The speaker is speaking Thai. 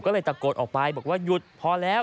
ก็เลยตะโกนออกไปบอกว่าหยุดพอแล้ว